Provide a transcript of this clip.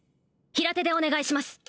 平手でお願いします